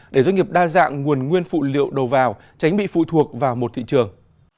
để doanh nghiệp đa dạng nguồn nguyên phụ liệu đầu vào tránh bị phụ thuộc vào một thị trường